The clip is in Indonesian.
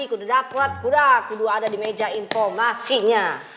kudu dapet kudu ada di meja informasinya